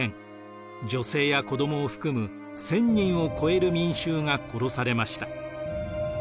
女性や子供を含む１，０００人を超える民衆が殺されました。